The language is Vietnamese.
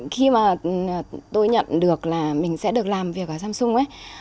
khi mà tôi nhận được là mình sẽ được làm việc ở samsung ấy